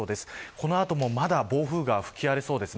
この後もまだ暴風が吹き荒れそうです。